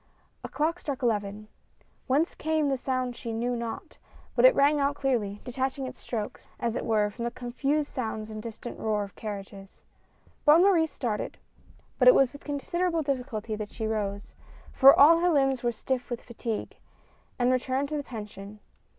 A clock struck eleven. Whence came the sound she knew not, but it rang out clearly, detaching its strokes, as it were, from the confused soun^ls and distant roar of carriages. Bonne Marie started, but it was with MADEMOISELLE BESLIN. 71 considerable difficulty that she rose — for all her limbs were stiff with fatigue — and returned to the Pension.